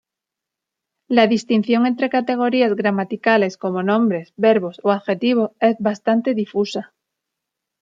La distinción entre categorías gramaticales como nombres, verbos o adjetivos es bastante difusa.